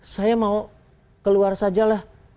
saya mau keluar sajalah